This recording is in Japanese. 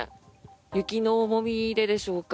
雪の重みででしょうか。